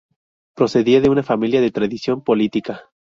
Procedía de una familia de tradición política.